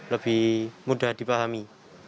lebih mudah dipahami